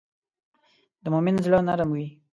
د مؤمن زړه نرم وي.